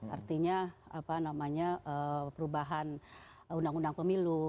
artinya apa namanya perubahan undang undang pemilu